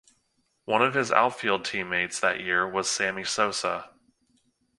One of his outfield teammates that year was Sammy Sosa.